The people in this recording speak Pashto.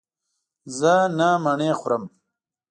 زه نهه مڼې خورم.